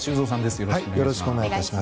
よろしくお願いします。